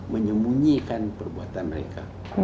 menyembunyikan perbuatan mereka